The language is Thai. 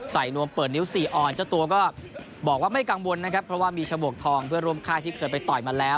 นวมเปิดนิ้วสี่ออนเจ้าตัวก็บอกว่าไม่กังวลนะครับเพราะว่ามีฉบวกทองเพื่อร่วมค่ายที่เคยไปต่อยมาแล้ว